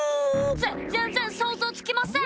全然想像つきません！